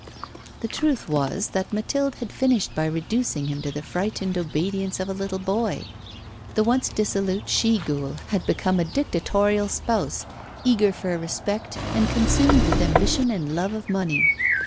The truth was that Mathilde had finished by reducing him to the frightened obedience of a little boy. The once dissolute she ghoul had become a dictatorial spouse, eager for respect, and consumed with ambition and love of money.